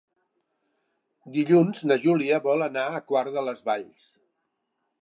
Dilluns na Júlia vol anar a Quart de les Valls.